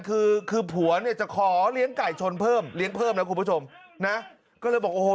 คือคือผัวเนี่ยจะขอเลี้ยงไก่ชนเพิ่มเลี้ยงเพิ่มนะคุณผู้ชมนะก็เลยบอกโอ้โห